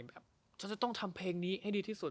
แบบจอร์จจะต้องทำเพลงนี้ให้ดีที่สุด